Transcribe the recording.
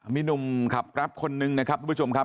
มินุมครับครับคนหนึ่งนะครับทุกผู้ชมครับ